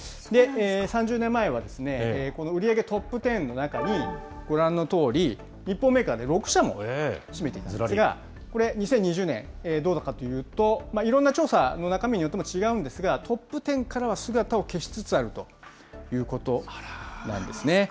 ３０年前は、この売り上げトップ１０の中に、ご覧のとおり、日本メーカーで６社も占めていたんですが、これ、２０２０年どうかというと、いろんな調査の中身によっても違うんですが、トップ１０からは姿を消しつつあるということなんですね。